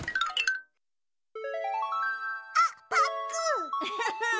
あっパックン！